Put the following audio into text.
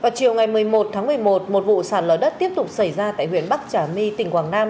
chiều ngày một mươi một tháng một mươi một một vụ sạt lở đất tiếp tục xảy ra tại huyện bắc trà my tỉnh quảng nam